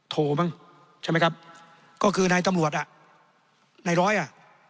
โทรบ้างใช่ไหมครับก็คือนายตำรวจอ่ะนายร้อยอ่ะ